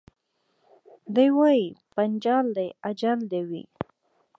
دی وايي پنچال دي اجل دي وي